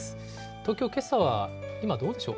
東京、けさは今、銅でしょう。